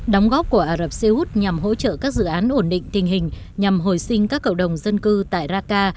đóng góp của ả rập xê hút nhằm hỗ trợ các dự án ổn định tình hình nhằm hồi sinh các cầu đồng dân cư tại raqqa